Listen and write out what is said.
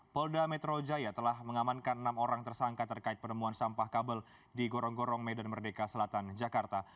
polda metro jaya telah mengamankan enam orang tersangka terkait penemuan sampah kabel di gorong gorong medan merdeka selatan jakarta